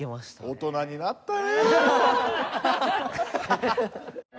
大人になったね。